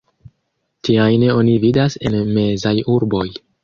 Tiajn oni vidas en mezaj urboj.